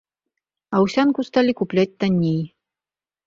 Аўсянку сталі купляць танней.